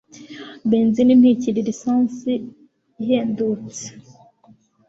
Benzin ntikiri lisansi ihendutse.